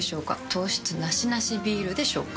糖質ナシナシビールでしょうか？